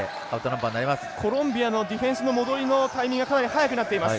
コロンビアのディフェンスの戻りのタイミングがかなり早くなっています。